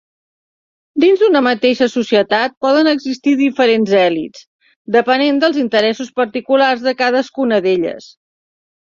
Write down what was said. Dins d'una mateixa societat poden existir diferents elits, depenent dels interessos particulars de cadascuna d'elles.